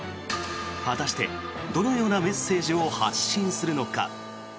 果たしてどのようなメッセージを発信するのか。